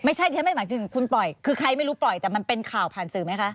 ไม่ใช่ฉันไม่หมายถึงคุณปล่อยคือใครไม่รู้ปล่อยแต่มันเป็นข่าวผ่านสื่อไหมคะ